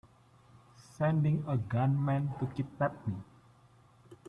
Sending a gunman to kidnap me!